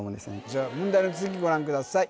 じゃあ問題の続きご覧ください